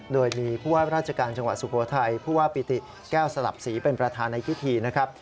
โดยมีผู้ว่าราชการจังหวัดสุโขทัยผู้ว่าปิติแก้วสลับศรีเป็นประธานในพิธีนะครับ